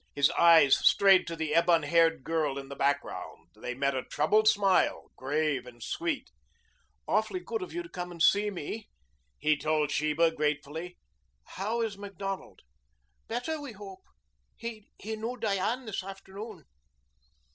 His eyes strayed to the ebon haired girl in the background. They met a troubled smile, grave and sweet. "Awfully good of you to come to see me," he told Sheba gratefully. "How is Macdonald?" "Better, we hope. He knew Diane this afternoon."